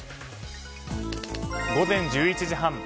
午前１１時半。